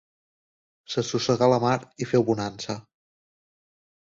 S'assossegà la mar i feu bonança.